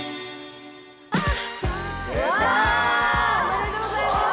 おめでとうございます！